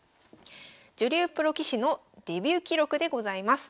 女流プロ棋士のデビュー記録でございます。